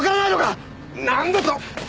なんだと！？